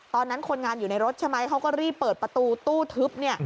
ตอนนั้นคนงานอยู่ในรถใช่ไหมเขาก็รีบเปิดประตูตู้ทึบเนี่ย